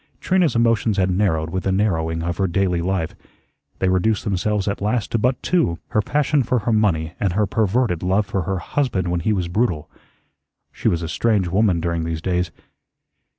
Trina's emotions had narrowed with the narrowing of her daily life. They reduced themselves at last to but two, her passion for her money and her perverted love for her husband when he was brutal. She was a strange woman during these days.